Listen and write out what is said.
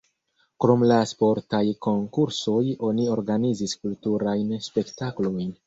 Krom la sportaj konkursoj oni organizis kulturajn spektaklojn.